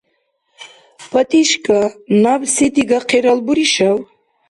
ПатӀишкӀа, наб се дигахъирал буришав?